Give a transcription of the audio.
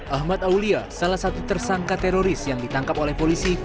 ahmad aulia salah satu tersangka teroris yang ditangkap oleh polisi